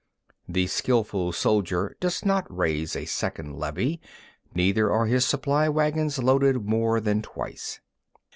8. The skilful soldier does not raise a second levy, neither are his supply waggons loaded more than twice.